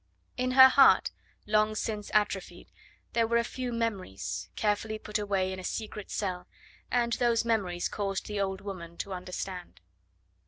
In her heart, long since atrophied, there were a few memories, carefully put away in a secret cell, and those memories caused the old woman to understand.